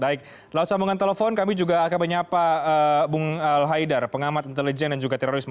baik lewat sambungan telepon kami juga akan menyapa bung al haidar pengamat intelijen dan juga terorisme